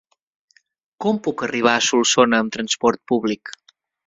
Com puc arribar a Solsona amb trasport públic?